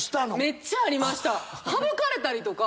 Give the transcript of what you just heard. めっちゃありました。